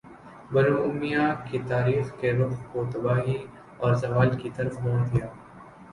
بنو امیہ کی تاریخ کے رخ کو تباہی اور زوال کی طرف موڑ دیا